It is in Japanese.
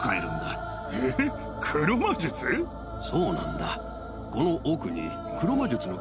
そうなんだ。